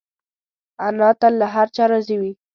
انا تل له هر چا راضي وي